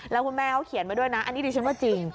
แล้วคุณแม่เขาเขียนมาด้วยนะอันนี้ดิฉันว่าจริง